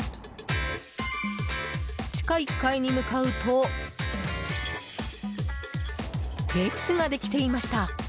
地下１階に向かうと列ができていました。